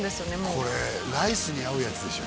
これライスに合うやつでしょ